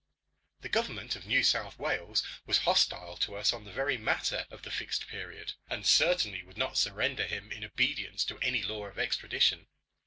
The Government of New South Wales was hostile to us on the very matter of the Fixed Period, and certainly would not surrender him in obedience to any law of extradition.